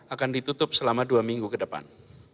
akan ditutup selama dua minggu ke depan